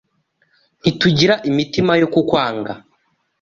Ntitugira imitima yo kukwanga